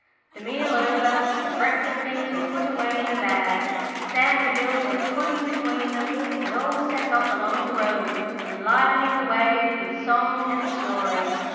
The meal over, the breakfast things were put away in the bag, Sam and Bill took Puddin' between them, and all set off along the road, enlivening the way with song and story.